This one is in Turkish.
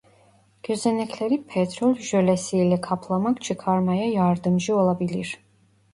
Gözenekleri petrol jölesi ile kaplamak çıkarmaya yardımcı olabilir.